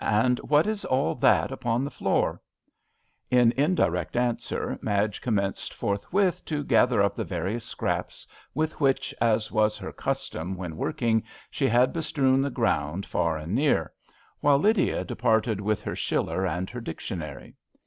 "And what is all that upon the floor? " 126 A RAINY DAY. In indirect answer Madge commenced forthwith to gather up the various scraps with which, as was her custom when working, she had bestrewn the ground far and near, while Lydia departed with her Schiller and her dic tionary.